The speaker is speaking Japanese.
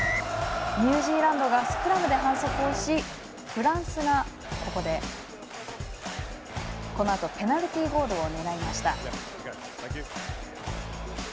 ニュージーランドがスクラムで反則をしフランスがこのあとペナルティーゴールを狙いました。